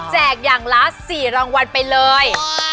แจกอย่างล้าสี่รางวัลไปเลย